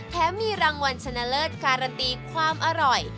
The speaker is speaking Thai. มีรางวัลชนะเลิศการันตีความอร่อย